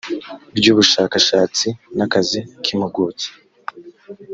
ry ubushakashatsi n akazi k impuguke